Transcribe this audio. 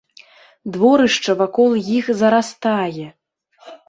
Дворышча вакол іх зарастае.